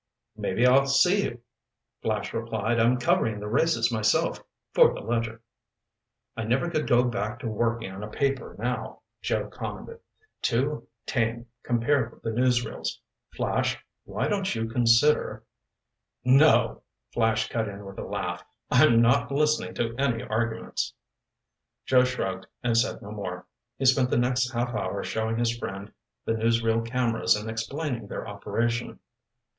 "Maybe I'll see you," Flash replied. "I'm covering the races myself. For the Ledger." "I never could go back to working on a paper now," Joe commented. "Too tame compared with the newsreels. Flash, why don't you consider—" "No!" Flash cut in with a laugh. "I'm not listening to any arguments." Joe shrugged and said no more. He spent the next half hour showing his friend the newsreel cameras and explaining their operation.